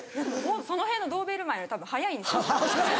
その辺のドーベルマンよりたぶん速いんです。